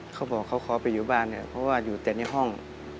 เขาบอกเขาขอไปอยู่บ้านเนี่ยเพราะว่าอยู่แต่ในห้อง